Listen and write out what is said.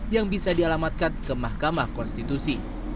yang bisa dialamatkan ke mahkamah konstitusi